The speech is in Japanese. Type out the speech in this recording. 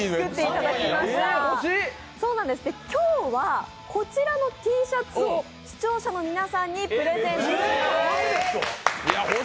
今日はこちらのＴシャツを視聴者の皆さんにプレゼントします。